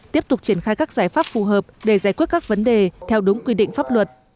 tiếp tục triển khai các giải pháp phù hợp để giải quyết các vấn đề theo đúng quy định pháp luật